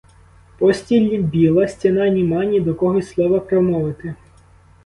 Постіль біла, стіна німа, ні до кого й слова промовити.